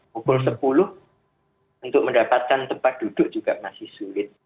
pukul sepuluh untuk mendapatkan tempat duduk juga masih sulit